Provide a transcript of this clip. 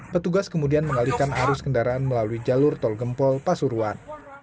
petugas kemudian mengalihkan arus kendaraan melalui jalur tol gempol pasuruan